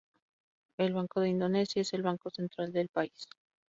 El Banco de Indonesia es el banco central del país.